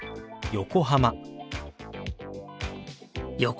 横浜。